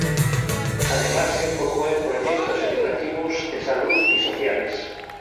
Además, se enfocó en proyectos educativos, de salud y sociales.